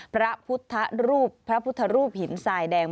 พระพุทธรูปพระพุทธรูปหินทรายแดง